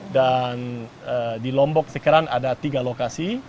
dan di lombok sekarang ada tiga lokasi